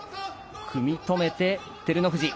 組み止めて、照ノ富士。